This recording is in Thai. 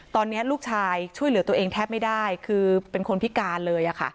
ตอนนี้ลูกชายช่วยเหลือตัวเองแทบไม่ได้คือเป็นคนพิการเลย